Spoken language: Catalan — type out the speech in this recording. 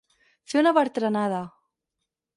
Fer una bertranada.